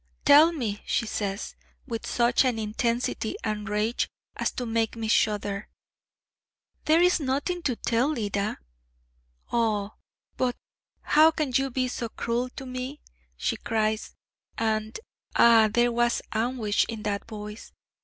'Tell me!' she says with such an intensity and rage, as to make me shudder. 'There is nothing to tell, Leda!' 'Oh, but how can you be so cluel to me?' she cries, and ah, there was anguish in that voice!